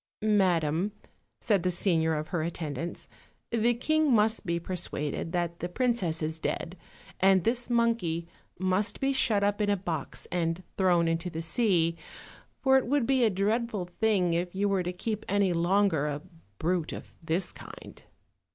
"Madam," said the senior of her attendants, "the king must be persuaded that the princess is dead, and this monkey must be shut up in a box and thrown into the sea, for it would be a dreadful thing if you were to keep any longer a brute of this kind."